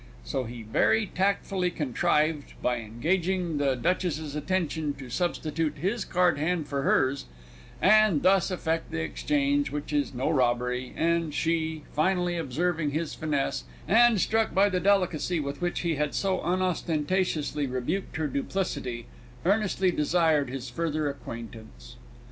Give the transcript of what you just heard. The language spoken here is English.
So he very tactfully contrived by engaging the Duchess's attention to substitute his card hand for hers, and thus effect the exchange which is no robbery, and she, finally observing his finesse, and struck by the delicacy with which he had so unostentatiously rebuked her duplicity, earnestly desired his further acquaintance.